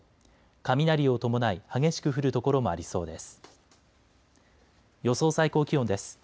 雷を伴い激しく降る所もありそうです。